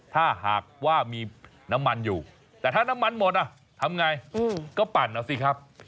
ถ้าหากว่ามีน้ำมันอยู่แต่ถ้าน้ำมันหมดทำไงก็ปั่นเอาสิครับ